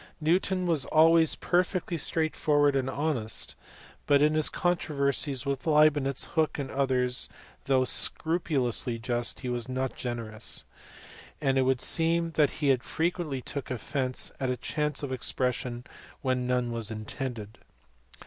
Newton was always perfectly straightforward and honest, but in his con troversies with Leibnitz, Hooke, and others, though scrupulously just, he was not generous; and it would seem that he frequently took offence at a chance expression when none was intended.